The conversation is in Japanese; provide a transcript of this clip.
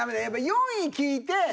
やっぱ４位聞いて。